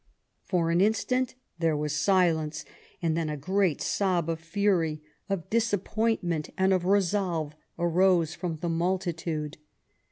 For an instant there was silence, and then a great sob of fury, of disappointment, and of resolve arose from the multitude.